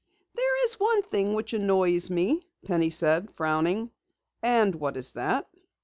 "There's one thing which annoys me," Penny said, frowning. "And what is that?"